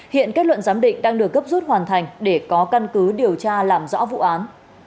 hiện kết luận giám định đang được cấp rút hoàn thành để có căn cứ điều tra làm rõ vụ án